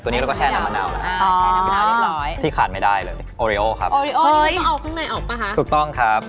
ใช่เราแช่น้ำมะนาวไว้นิดหนึ่งครับ